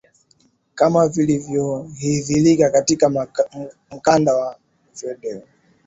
kama lilivyodhihirika katika mkanda wa video